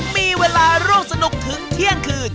มีเวลาร่วมสนุกถึงเที่ยงคืน